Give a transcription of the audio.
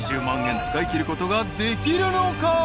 ［８０万円使いきることができるのか？］